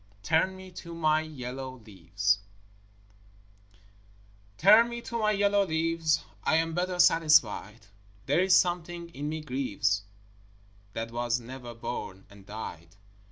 TURN ME TO MY YELLOW LEAVES Turn me to my yellow leaves, I am better satisfied; There is something in me grieves That was never born, and died.